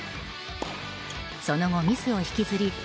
その後、ミスを引きずり